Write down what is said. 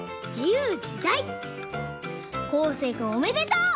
こうせいくんおめでとう！